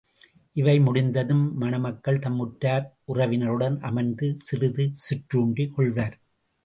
இவை முடிந்ததும் மணமக்கள் தம் உற்றார் உறவினருடன் அமர்ந்து சிறிது சிற்றுண்டி கொள்வர்.